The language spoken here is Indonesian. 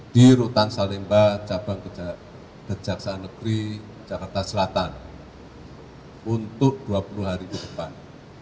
di rutan salemba cabang kejaksaan negeri jakarta selatan untuk dua puluh hari ke depan